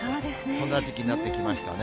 そんな時期になってきましたね。